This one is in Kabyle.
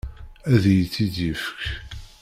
Ad iyi-t-id-ifek.